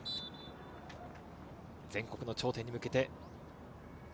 全国の頂点に向けて。